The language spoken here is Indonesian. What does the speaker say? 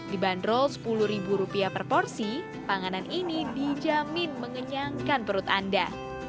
dibanderol sepuluh ribu rupiah per porsi panganan ini dijamin mengenyangkan perut anda